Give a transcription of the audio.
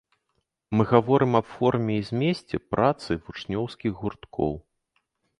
Мы гаворым аб форме і змесце працы вучнёўскіх гурткоў.